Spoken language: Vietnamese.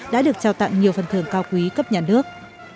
đã được trao tặng nhiều phần thưởng cao quý cấp nhà nước